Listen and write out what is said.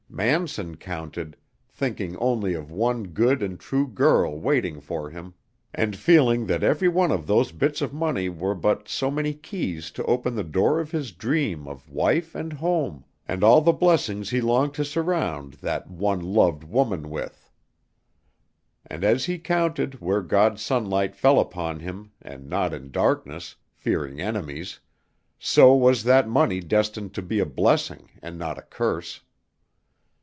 Manson counted, thinking only of one good and true girl waiting for him, and feeling that every one of those bits of money were but so many keys to open the door of his dream of wife and home and all the blessings he longed to surround that one loved woman with. And as he counted where God's sunlight fell upon him, and not in darkness, fearing enemies, so was that money destined to be a blessing and not a curse.